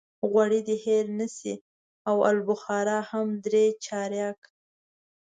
غوړي دې هېر نه شي او الوبخارا هم درې چارکه.